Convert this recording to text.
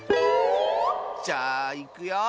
じゃあいくよ！